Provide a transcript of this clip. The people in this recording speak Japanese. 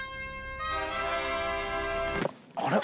あれ？